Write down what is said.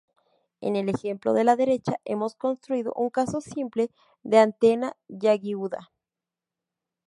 En el ejemplo de la derecha hemos construido un caso simple de antena Yagi-Uda.